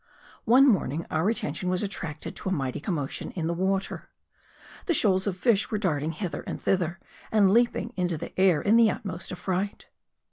One morning our attention was attracted to a mighty, commotion in the water. The shoals of fish were darting hither and thither, and leaping into the air in the utmost affright.